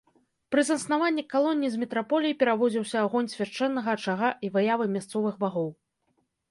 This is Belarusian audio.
Пры заснаванні калоніі з метраполіі перавозіўся агонь свяшчэннага ачага і выявы мясцовых багоў.